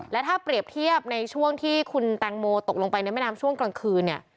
และถ้าเปรียบเทียบในช่วงที่คุณแตงโมตกลงไปในแม่น้ำช่วงกลางคืนเนี่ย